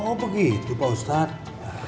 oh begitu pak ustadz